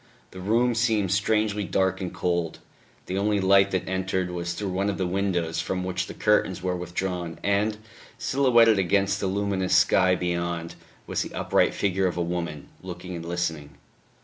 The room seemed strangely dark and cold; the only light that entered was through one of the windows from which the curtains were withdrawn, and, silhouetted against the luminous sky beyond, was the upright figure of a woman, looking and listening....